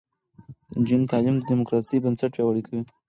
د نجونو تعلیم د دیموکراسۍ بنسټ پیاوړی کوي.